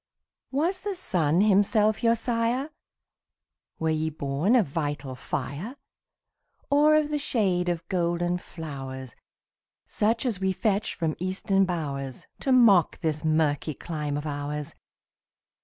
Was the sun himself your sire? Were ye born of vital fire? Or of the shade of golden flowers, Such as we fetch from Eastern bowers, To mock this murky clime of ours?